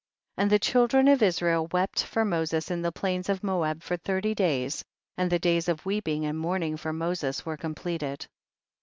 11. And the children of Israel wept for Moses in the plains of Moab for thirty days, and the days of weeping and mourning for Moses were completed.